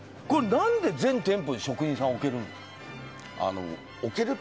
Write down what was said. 何で全店舗に職人さん置けるんですか？